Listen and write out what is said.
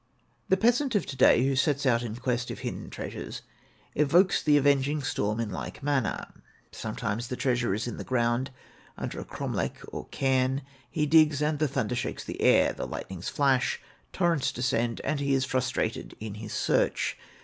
The peasant of to day who sets out in quest of hidden treasures evokes the avenging storm in like manner. Sometimes the treasure is in the ground, under a cromlech or a carn; he digs, and the thunder shakes the air, the lightnings flash, torrents descend, and he is frustrated in his search.